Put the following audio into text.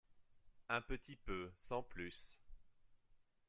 Un petit peu sans plus.